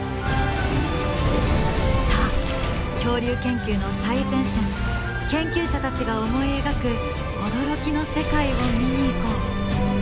さあ恐竜研究の最前線研究者たちが思い描く驚きの世界を見に行こう。